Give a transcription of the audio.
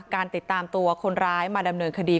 การติดตามตัวคนร้ายมาดำเนินคดี